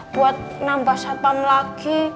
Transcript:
buat nambah satpam lagi